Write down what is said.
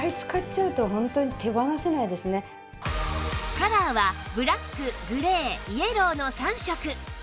カラーはブラックグレーイエローの３色